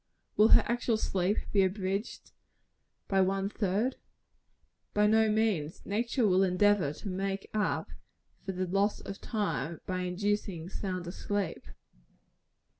Will her actual sleep be abridged one third? By no means. Nature will endeavor to make up for the loss of time by inducing sounder sleep.